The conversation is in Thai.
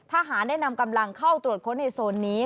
ทหารได้นำกำลังเข้าตรวจค้นในโซนนี้